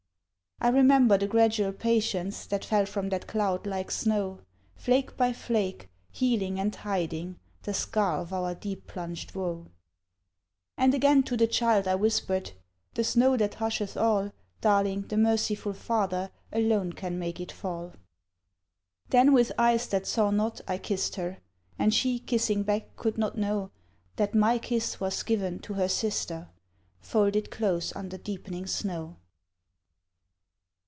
I remember the gradual patience That fell from that cloud like snow, Flake by flake, healing and hiding The scar of our deep plunged woe. And again to the child I whispered, "The snow that husheth all, Darling, the merciful Father Alone can make it fall!" Then, with eyes that saw not, I kissed her; And she, kissing back, could not know That my kiss was given to her sister, Folded close under deepening snow.